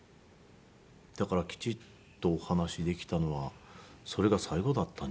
だからきちっとお話できたのはそれが最後だったんじゃないかな。